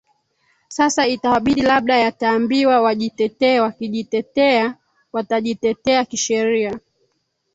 sasa itawabidi labda yataambiwa wajitetee wakijitetea watajitetea kisheria